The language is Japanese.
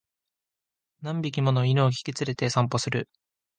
何匹もの犬を引き連れて散歩する